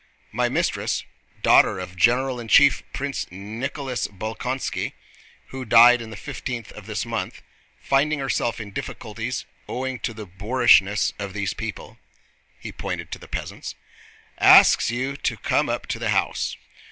"My mistress, daughter of General in Chief Prince Nicholas Bolkónski who died on the fifteenth of this month, finding herself in difficulties owing to the boorishness of these people"—he pointed to the peasants—"asks you to come up to the house....